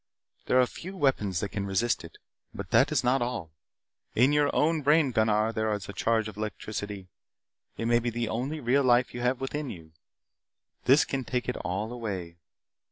There are few weapons that can resist it. But that is not all. In your own brain, Gunnar, there is a charge of electricity. It may be the only real life that you have within you. This can take it all away.